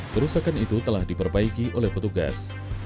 kerusakan itu telah diperbaiki oleh petugas